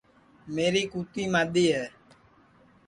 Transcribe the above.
میری کُوتی مادؔی ہے